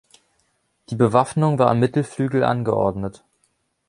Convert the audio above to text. Die Bewaffnung war im Mittelflügel angeordnet.